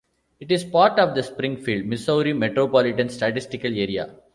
It is part of the Springfield, Missouri Metropolitan Statistical Area.